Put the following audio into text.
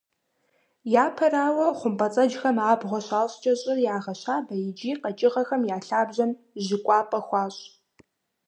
Япэрауэ, хъумпӏэцӏэджхэм абгъуэ щащӏкӏэ, щӏыр ягъэщабэ, икӏи къэкӏыгъэхэм я лъабжьэм жьы кӏуапӏэ хуащӏ.